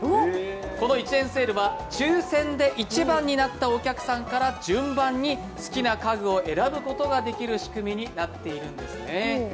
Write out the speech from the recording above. その１円セールは抽選で１番になったお客さんから順番に好きな家具を選ぶことができる仕組みになっているんですね。